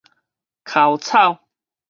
薅草